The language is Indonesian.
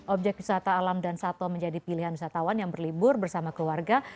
objek wisata alam dan sato menjadi pilihan wisatawan yang berlibur bersama keluarga